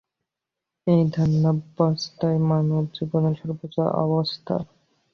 এই ধ্যানাবস্থাই মানব জীবনের সর্বোচ্চ অবস্থা।